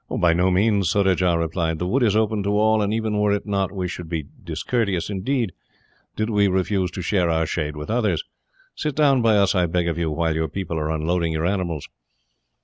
"By no means," Surajah replied. "The wood is open to all, and even were it not, we should be discourteous, indeed, did we refuse to share our shade with others. Sit down by us, I beg of you, while your people are unloading your animals."